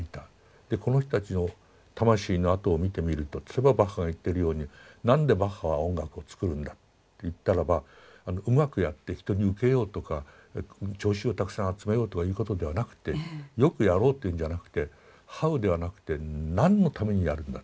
でこの人たちの魂の跡を見てみるとそれはバッハが言ってるように何でバッハは音楽を作るんだといったらばうまくやって人に受けようとか聴衆をたくさん集めようとかいうことではなくてよくやろうっていうんじゃなくてハウではなくて何のためにやるんだ。